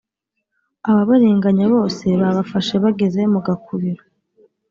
Ababarenganya bose babafashe bageze mu gakubiro.